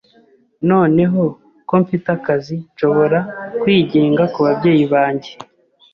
Noneho ko mfite akazi, nshobora kwigenga kubabyeyi banjye.